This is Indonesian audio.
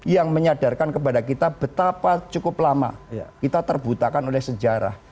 yang menyadarkan kepada kita betapa cukup lama kita terbutakan oleh sejarah